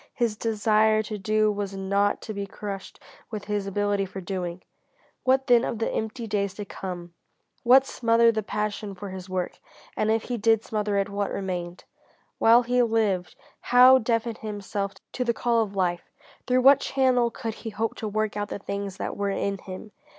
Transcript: His desire to do was not to be crushed with his ability for doing. What then of the empty days to come? How smother the passion for his work? And if he did smother it, what remained? While he lived, how deafen himself to the call of life? Through what channel could he hope to work out the things that were in him?